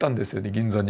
銀座に。